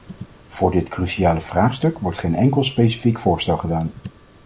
Voor dit cruciale vraagstuk wordt geen enkel specifiek voorstel gedaan.